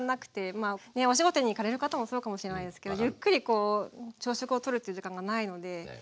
ねっお仕事に行かれる方もそうかもしれないですけどゆっくりこう朝食を取るという時間がないので。だよね。